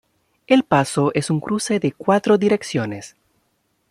El paso es un cruce de cuatro direcciones.